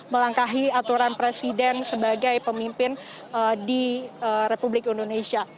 melangkahi aturan presiden sebagai pemimpin di republik indonesia